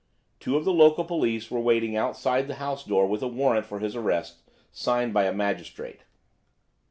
Two of the local police are waiting outside the house door with a warrant for his arrest, signed by a magistrate.